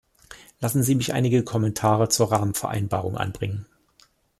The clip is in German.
Lassen Sie mich einige Kommentare zur Rahmenvereinbarung anbringen.